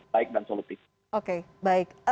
baik dan solutif oke baik